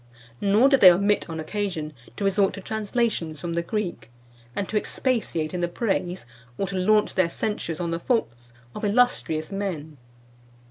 Nor did they omit, on occasion, to resort to translations from the Greek, and to expatiate in the praise, or to launch their censures on the faults, of illustrious men.